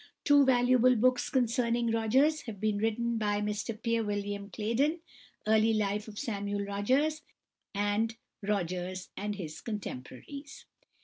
Two valuable books concerning Rogers have been written by Mr Peter William Clayden, "Early Life of Samuel Rogers," and "Rogers and His Contemporaries."